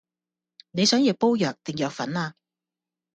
你想要煲藥定藥粉呀